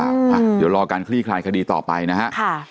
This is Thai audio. เดี๋ยวรอการคลี่คลายคดีต่อไปนะฮะ